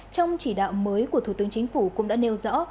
trong chỉ đạo mới của thủ tướng chính phủ cũng đã nêu rõ